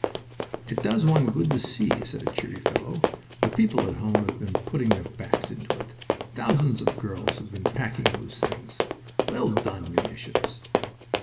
"It does one good to see," said a cheery fellow. "The people at home have been putting their backs into it. Thousands of girls have been packing those things. Well done, Munitions!"